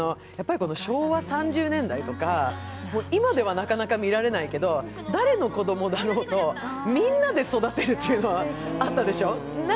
昭和３０年代とか、今ではなかなか見られないけど誰の子供だろうとみんなで育てるっていうのはあったでしょ。